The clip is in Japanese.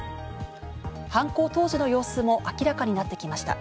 犯行当時の様子も明らかになってきました。